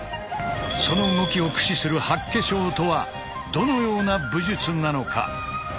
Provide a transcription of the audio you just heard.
その動きを駆使する八卦掌とはどのような武術なのか？